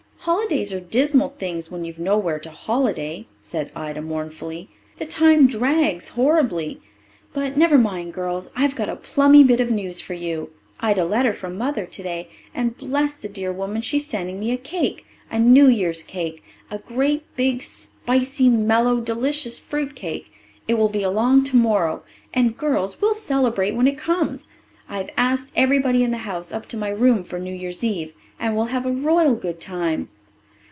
"Holidays are dismal things when you've nowhere to holiday," said Ida mournfully. "The time drags horribly. But never mind, girls, I've a plummy bit of news for you. I'd a letter from Mother today and, bless the dear woman, she is sending me a cake a New Year's cake a great big, spicy, mellow, delicious fruit cake. It will be along tomorrow and, girls, we'll celebrate when it comes. I've asked everybody in the house up to my room for New Year's Eve, and we'll have a royal good time."